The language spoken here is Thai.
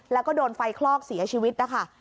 แล้วก็โดนไฟคลอกเสียชีวิตนะคะ